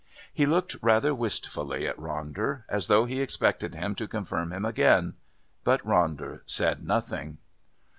He looked rather wistfully at Ronder as though he expected him to confirm him again. But Ronder said nothing.